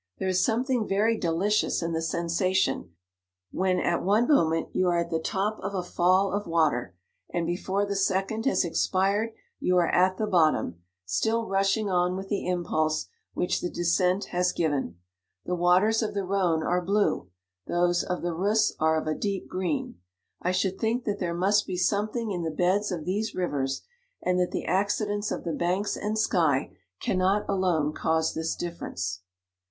There is something very delicious in the sensation, when at one moment you are at the top of a fall of water, and before the second has expired you are at the bottom, still rushing on with the impulse which the descent has given. The waters of the Rhone are blue, those of the Reuss are of a deep green. I should think that there must be something in the beds of these rivers, and that the acci dents of the banks and sky cannot alone cause this difference.